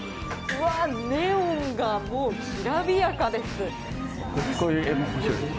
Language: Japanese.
うわー、ネオンがもうきらびやかです。